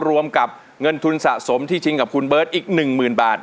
รวมกับเงินทุนสะสมที่ชิงกับคุณเบิร์ตอีก๑๐๐๐บาท